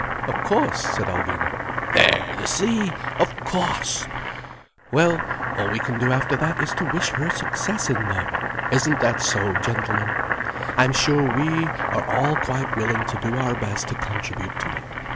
"Of course," said Alvina. "There, you see, of cauce! Well, all we can do after that is to wish her success in love. Isn't that so, gentlemen? I'm sure we are all quite willing to do our best to contribute to it.